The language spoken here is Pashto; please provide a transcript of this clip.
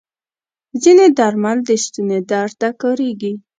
ځینې درمل د ستوني درد ته کارېږي.